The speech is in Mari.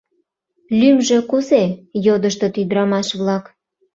Лӱмжӧ кузе? — йодыштыт ӱдырамаш-влак.